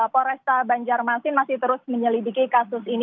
poresta banjarmasin masih terus menyelidiki kasus ini